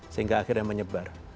sehingga akhirnya menyebar